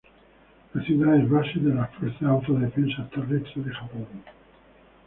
La ciudad es base de las Fuerzas de Autodefensas Terrestres de Japón.